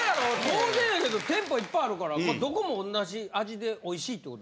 当然やけど店舗いっぱいあるからどこも同じ味で美味しいってこと？